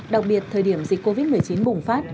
đặc biệt thời điểm dịch covid một mươi chín bùng phát